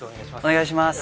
お願いします。